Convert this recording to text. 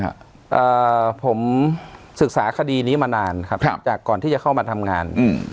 ผมตอนนี้อ่ะผมศึกษาคดีนี้มานานครับจากก่อนที่จะเข้ามาทำงาน